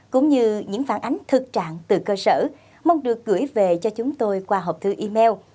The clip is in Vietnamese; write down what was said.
cũng như những phản ánh thực trạng từ cơ sở mong được gửi về cho chúng tôi qua hộp thư email